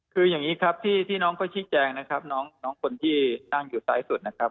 คืออย่างนี้ครับที่น้องเขาชี้แจงนะครับน้องคนที่นั่งอยู่ซ้ายสุดนะครับ